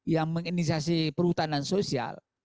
yang menginisiasi perhutanan sosial